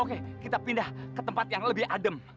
oke kita pindah ke tempat yang lebih adem